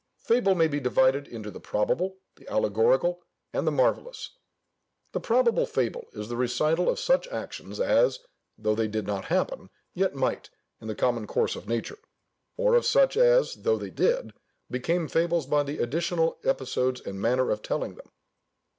Fable may be divided into the probable, the allegorical, and the marvellous. The probable fable is the recital of such actions as, though they did not happen, yet might, in the common course of nature; or of such as, though they did, became fables by the additional episodes and manner of telling them.